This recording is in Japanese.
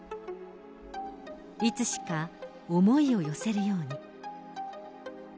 いつしか、思いを寄せるように。